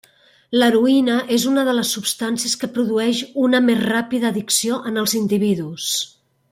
L'heroïna és una de les substàncies que produeix una més ràpida addicció en els individus.